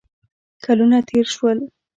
کلونه تېر شول.